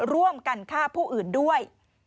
ร่วมกันฆ่าผู้อื่นด้วย